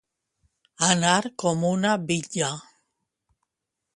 Anar com una bitlla.